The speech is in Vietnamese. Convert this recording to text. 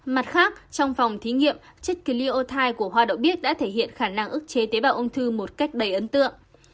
mặt khác trong phòng thí nghiệm chất kiliothai của hoa đậu biếc đã thể hiện khả năng ức chế tế bào ung thư một cách đầy ấn tượng